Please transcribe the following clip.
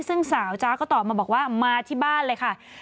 ซึ่งสาวจ๊ะก็ตอบมาบอกว่ามาที่บ้านเลยค่ะ